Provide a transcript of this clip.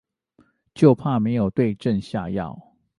就怕沒有對症下藥